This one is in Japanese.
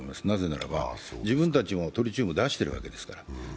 なぜならば自分たちもトリチウム出しているわけですから。